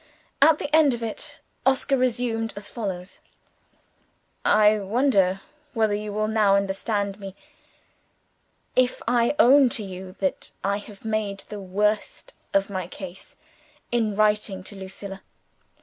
At the end of it, Oscar resumed, as follows: "I wonder whether you will now understand me, if I own to you that I have made the worst of my case in writing to Lucilla?